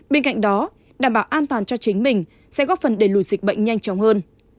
bên cạnh đó đảm bảo an toàn cho chính mình sẽ góp phần đẩy lùi dịch bệnh nhanh chóng hơn